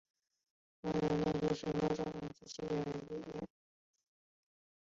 华南师范大学计算机应用专业本科毕业。